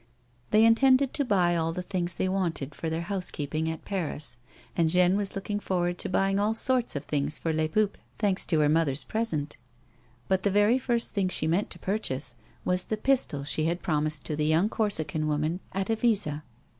They intended to buy all the things they wanted for their house keeping at Paris, and Jeanne was looking forward to buying all sorts of things for Lcs Peuples, thanks to her mother's pi'esent ; but the very first thing she meant to purchase was the pistol she had promised to the 3'oung Corsican woman at Evisa.